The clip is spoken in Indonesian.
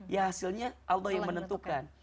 ya hasilnya allah yang menentukan